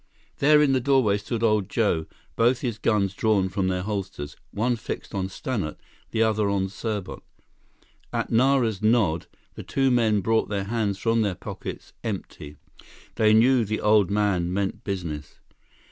There in the doorway stood old Joe, both his guns drawn from their holsters, one fixed on Stannart, the other on Serbot. At Nara's nod, the two men brought their hands from their pockets empty. They knew the old man meant business.